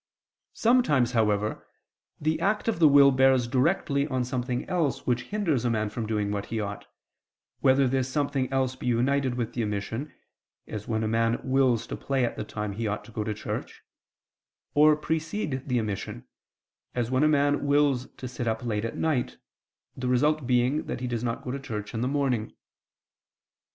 Sometimes, however, the act of the will bears directly on something else which hinders man from doing what he ought, whether this something else be united with the omission, as when a man wills to play at the time he ought to go to church or, precede the omission, as when a man wills to sit up late at night, the result being that he does not go to church in the morning.